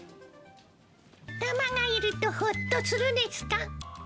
タマがいるとほっとするですか。